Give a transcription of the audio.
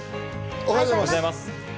おはようございます。